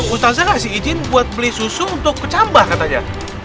utangza ngasih izin buat beli susu untuk kecambah katanya